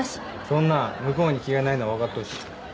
そんなん向こうに気がないのはわかっとうし。